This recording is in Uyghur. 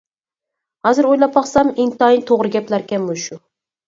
ھازىر ئويلاپ باقسام ئىنتايىن توغرا گەپلەركەن مۇشۇ.